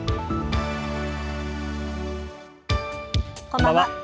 こんばんは。